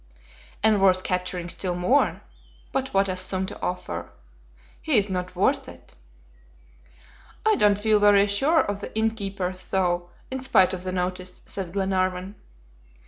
"And worth capturing still more. But what a sum to offer! He is not worth it!" "I don't feel very sure of the innkeeper though, in spite of the notice," said Glenarvan.